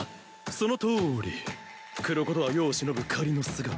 そのとおり黒子とは世を忍ぶ仮の姿。